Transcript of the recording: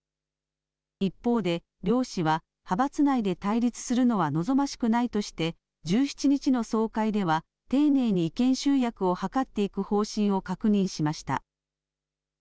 一方で、両氏は、派閥内で対立するのは望ましくないとして、１７日の総会では丁寧に意見集約を図っていく方針を確認しました。